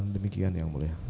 demikian yang mulia